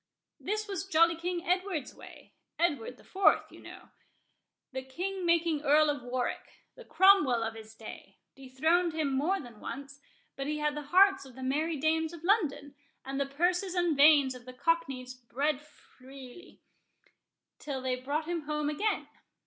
This was jolly King Edward's way—Edward the Fourth, you know. The king making Earl of Warwick—the Cromwell of his day—dethroned him more than once; but he had the hearts of the merry dames of London, and the purses and veins of the cockneys bled freely, till they brought him home again.